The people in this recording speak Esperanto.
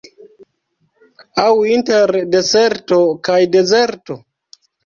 Aŭ inter deserto kaj dezerto?